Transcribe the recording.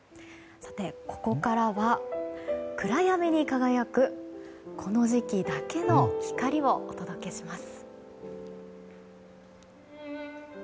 さて、ここからは暗闇に輝くこの時期だけの光をお届けします。